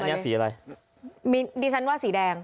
อันนี้สีอะไรมีดิฉันว่าสีแดง